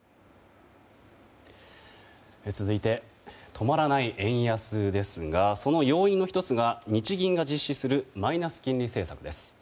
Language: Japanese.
続いて止まらない円安ですがその要因の１つが日銀が実施するマイナス金利政策です。